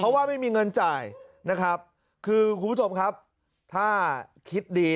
เพราะว่าไม่มีเงินจ่ายนะครับคือคุณผู้ชมครับถ้าคิดดี